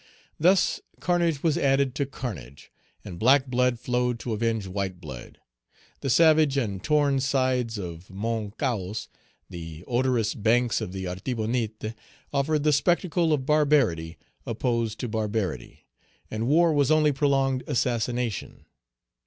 Thus carnage was added to carnage, and black blood flowed to avenge white blood. The savage and torn sides of Mount Cahos, the odorous banks of the Artibonite, offered the spectacle of barbarity opposed to barbarity, and war was only prolonged assassination.